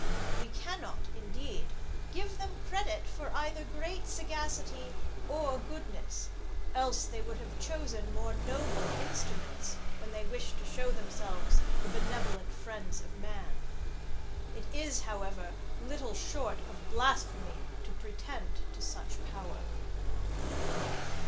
We cannot, indeed, give them credit for either great sagacity or goodness, else they would have chosen more noble instruments, when they wished to show themselves the benevolent friends of man. It is, however, little short of blasphemy to pretend to such power.